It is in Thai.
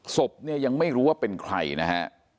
ศพเนี่ยยังไม่รู้ว่าเป็นใครนะฮะ